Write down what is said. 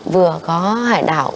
vừa có hải đảo